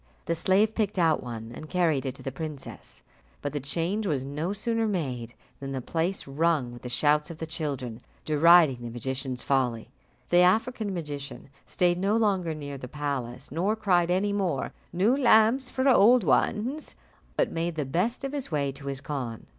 The slave picked out one and carried it to the princess; but the change was no sooner made than the place rung with the shouts of the children, deriding the magician's folly. The African magician stayed no longer near the palace, nor cried any more, "New lamps for old ones," but made the best of his way to his khan.